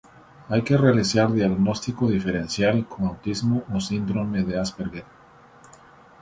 Hay que realizar diagnóstico diferencial con Autismo o síndrome de Asperger.